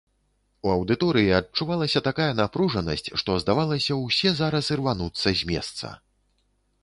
У аўдыторыі адчувалася такая напружанасць, што здавалася, усе зараз ірвануцца з месца.